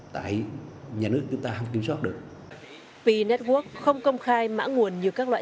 tại nhà nước chúng ta không kiểm soát được p network không công khai mã nguồn như các loại